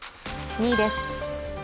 ２位です。